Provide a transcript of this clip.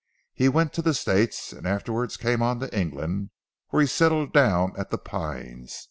He went to the States, and afterwards came on to England where he settled down at 'The Pines.'